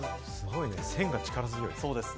線が力強い。